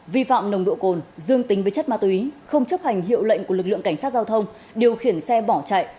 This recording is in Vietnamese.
vi phạm nồng độ cồn dương tính với chất ma túy không chấp hành hiệu lệnh của lực lượng cảnh sát giao thông điều khiển xe bỏ chạy